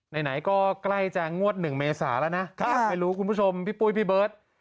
ไหนก็ใกล้จะงวด๑เมษาแล้วนะไม่รู้คุณผู้ชมพี่ปุ้ยพี่เบิร์ต